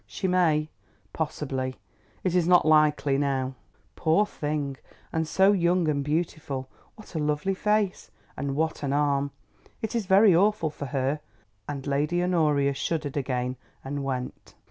"She may, possibly. It is not likely now." "Poor thing, and so young and beautiful! What a lovely face, and what an arm! It is very awful for her," and Lady Honoria shuddered again and went.